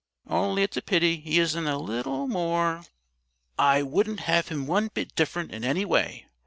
Only it's a pity he isn't a little more " "I wouldn't have him one bit different in any way!"